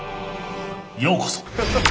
ようこそ！